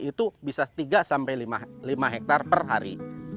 itu bisa tiga sampai lima hektare per hari